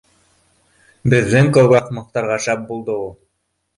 Беҙҙең кеүек ахмаҡтарға шәп булды ул